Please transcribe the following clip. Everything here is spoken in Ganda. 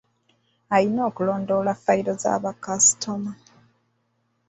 Alina okulondoola fayiro za bakasitoma.